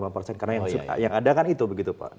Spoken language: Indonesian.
karena yang ada kan itu begitu pak